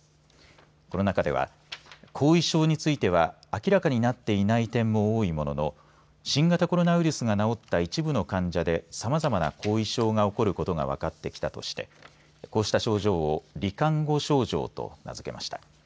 この中では後遺症については明らかになっていない点も多いものの新型コロナウイルスが治った一部の患者でさまざまな後遺症が起こることが分かってきたとしてこうした症状を罹患後症状と名付けました。